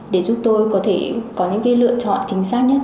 để giúp tôi có thể có những cái lựa chọn chính xác nhất